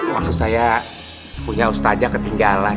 maksud saya punya ustaja ketinggalan